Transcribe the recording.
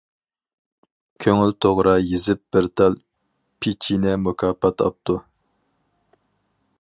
كۆڭۈل توغرا يېزىپ بىر تال پېچىنە مۇكاپات ئاپتۇ.